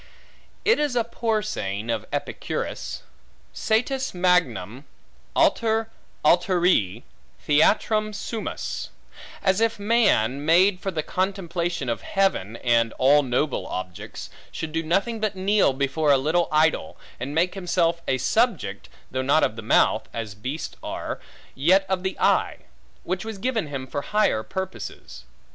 It is a poor saying of Epicurus, Satis magnum alter alteri theatrum sumus; as if man, made for the contemplation of heaven, and all noble objects, should do nothing but kneel before a little idol, and make himself a subject, though not of the mouth (as beasts are), yet of the eye; which was given him for higher purposes.